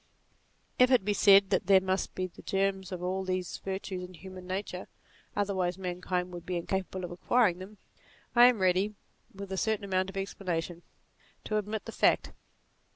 If it be said, that there must be the germs of all these virtues in human nature, otherwise mankind would be incapable of acquiring them, I am ready, with a certain amount of explanation, to admit the fact.